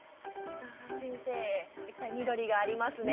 先生いっぱい緑がありますね。